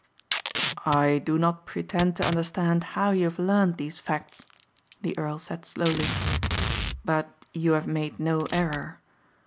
"I do not pretend to understand how you have learned these facts," the earl said slowly, "but you have made no error.